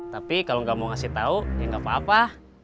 tapi kalau gak mau ngasih tau ya gak apa apa